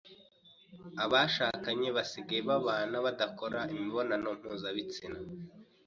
abashakanye basigaye babana badakora imibonano mpuzabitsina